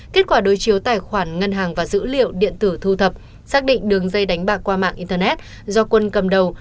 kết quả đối chiếu tài khoản ngân hàng và dữ liệu điện tử thu thập xác định đường dây đánh bạc qua mạng internet do quân cầm đầu